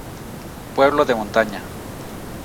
Pueblo de montaña.